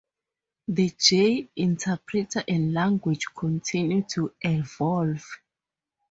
The J interpreter and language continue to evolve.